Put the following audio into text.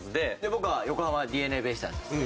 僕は横浜ＤｅＮＡベイスターズですね。